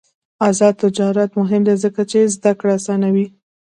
آزاد تجارت مهم دی ځکه چې زدکړه اسانوي.